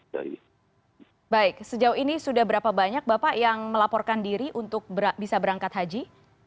baik sejauh ini sudah berapa banyak bapak yang melaporkan diri untuk bisa berangkat haji